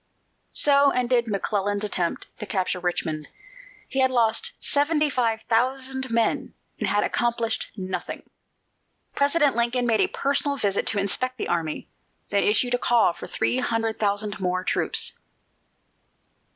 So ended McClellan's attempt to capture Richmond. He had lost seventy five thousand men and had accomplished nothing. President Lincoln made a personal visit to inspect the army, then issued a call for three hundred thousand more troops.